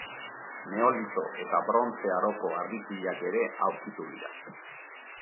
Neolito eta Brontze Aroko harri pilak ere aurkitu dira.